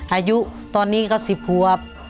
อายุตอนนี้เขา๑๐ขวบ